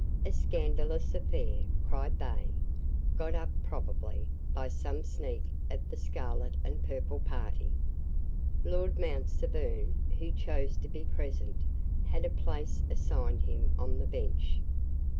"A scandalous affair," cried they, "got up, probably, by some sneak of the scarlet and purple party." Lord Mount Severn, who chose to be present, had a place assigned him on the bench.